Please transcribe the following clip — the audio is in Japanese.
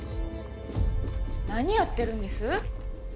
何やってるんです？